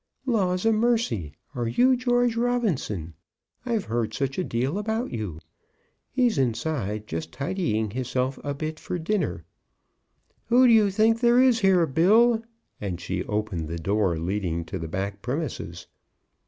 "Laws a mercy! are you George Robinson? I've heard such a deal about you. He's inside, just tidying hisself a bit for dinner. Who do you think there is here, Bill?" and she opened the door leading to the back premises.